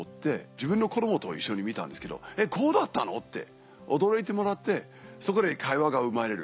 自分の子供と一緒に見たんですけど「えっこうだったの⁉」って驚いてもらってそこで会話が生まれる。